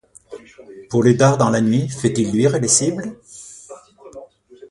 Pour les dards dans la nuit fait-il luire les cibles ?